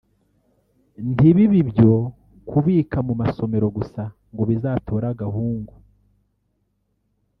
ntibibe ibyo kubika mu masomero gusa ngo bizatore agahungu